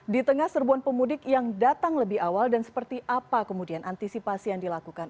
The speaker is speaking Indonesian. di tengah serbuan pemudik yang datang lebih awal dan seperti apa kemudian antisipasi yang dilakukan